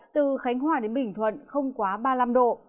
từ khánh hòa đến bình thuận không quá ba mươi năm độ